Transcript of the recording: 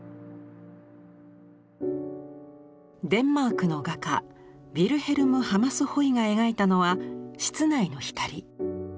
デンマークの画家ヴィルヘルム・ハマスホイが描いたのは室内の光。